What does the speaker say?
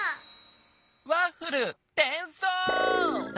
ワッフルてんそう！